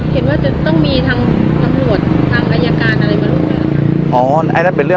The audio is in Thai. เห็นว่าจะต้องมีทางอังกฤษทางอายการอะไรมาร่วมด้วยหรือ